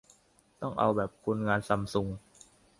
ต้องเอาแบบคนงานซัมซุง